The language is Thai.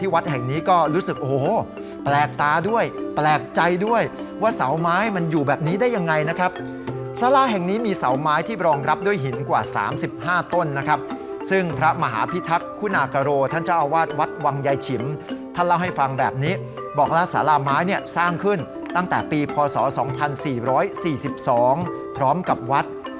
วัดแห่งนี้ก็รู้สึกโอ้โหแปลกตาด้วยแปลกใจด้วยว่าเสาไม้มันอยู่แบบนี้ได้ยังไงนะครับสาราแห่งนี้มีเสาไม้ที่รองรับด้วยหินกว่า๓๕ต้นนะครับซึ่งพระมหาพิทักษ์คุณากโรท่านเจ้าอาวาสวัดวังยายฉิมท่านเล่าให้ฟังแบบนี้บอกแล้วสาราไม้เนี่ยสร้างขึ้นตั้งแต่ปีพศ๒๔๔๒พร้อมกับวัด